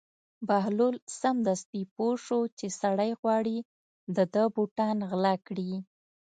بهلول سمدستي پوه شو چې سړی غواړي د ده بوټان غلا کړي.